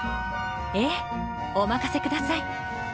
ええお任せください。